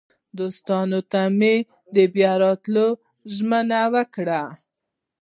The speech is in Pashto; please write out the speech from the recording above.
دوستانو ته مې د بیا راتلو ژمنه وکړه.